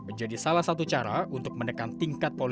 menjadi salah satu cara untuk menekan tingkat polusi